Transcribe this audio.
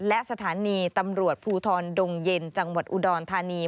และสถานีตำรวจภูทรดงเย็นจังหวัดอุดรธานี